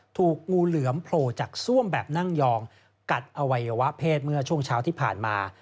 ถูกงูเหลือมโผล่จากซ่วมแบบนั่งยองกัดอวัยวะเพศเมื่อช่วงเช้าที่ผ่านมา